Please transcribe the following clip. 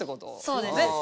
そうです。